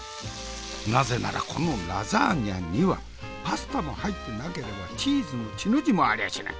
なぜならこのラザーニャにはパスタも入ってなければチーズのチの字もありゃしない。